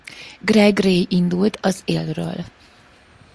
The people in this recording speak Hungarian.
Greg Ray indult az élről.